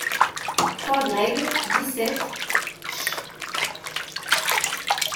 trois Greg., dix-sept, ch.